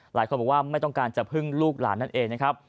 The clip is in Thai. หลายคนบอกว่าไม่ต้องการจะพึ่งลูกหลานนั่นเองนะครับ